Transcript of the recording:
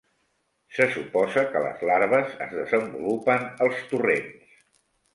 Se suposa que les larves es desenvolupen als torrents.